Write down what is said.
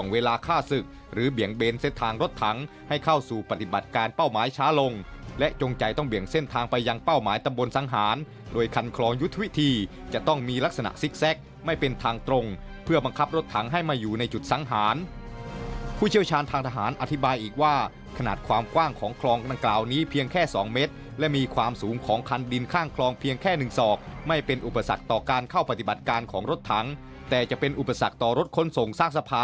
กลอนักกล่าวในวัดพระธรรมกายมีลักษณะคล้ายกับการคุดคันคล้ายกัมภูชาปี๒๕๒๑ที่ตาพระยาแถบชายแดนสมัยสงครามกัมภูชาปี๒๕๒๑ที่ตาพระยาแถบชายแดนสมัยสงครามกัมภูชาปี๒๕๒๑ที่ตาพระยาแถบชายแดนสมัยสงครามกัมภูชาปี๒๕๒๑ที่ตาพระยาแถบชายแดนสมัยสงครามกัมภูชาปี๒๕๒๑ที่ตาพระยา